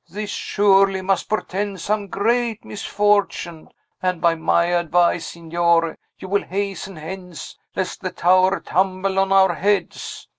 This surely must portend some great misfortune; and, by my advice, Signore, you will hasten hence, lest the tower tumble on our heads.